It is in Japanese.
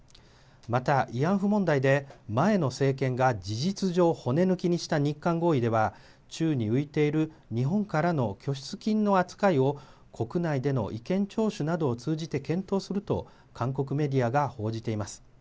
また、慰安婦問題で前の政権が事実上骨抜きにした日韓合意では、宙に浮いている日本からの拠出金の扱いを、国内での意見聴取などを通じて検討すると韓国メディアが報じています。